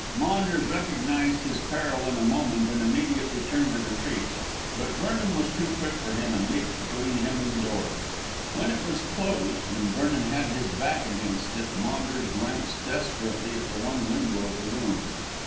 Maunders recognised his peril in a moment and immediately turned to retreat. But Vernon was too quick for him and leaped between him and the door. When it was closed and Vernon had his back against it Maunders glanced desperately at the one window of the room.